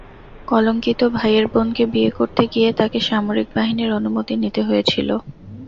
কলঙ্কিত ভাইয়ের বোনকে বিয়ে করতে গিয়ে তাঁকে সামরিক বাহিনীর অনুমতি নিতে হয়েছিল।